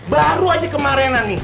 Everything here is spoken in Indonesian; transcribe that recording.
baru aja kemarenan nih